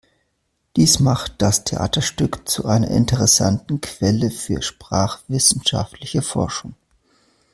Dies macht das Theaterstück zu einer interessanten Quelle für sprachwissenschaftliche Forschung.